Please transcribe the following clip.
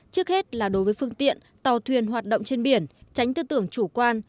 trước hết là đối với phương tiện tàu thuyền hoạt động trên biển tránh tư tưởng chủ quan